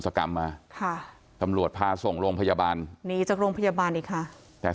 กรรมมาค่ะตำรวจพาส่งโรงพยาบาลหนีจากโรงพยาบาลอีกค่ะแต่